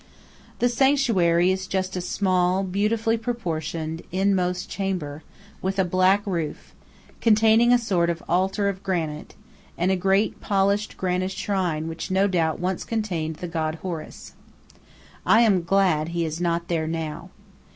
The sanctuary is just a small, beautifully proportioned, inmost chamber, with a black roof, containing a sort of altar of granite, and a great polished granite shrine which no doubt once contained the god Horus. I am glad he is not there now.